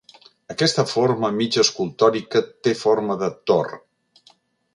Aquesta forma mig escultòrica té forma de tor.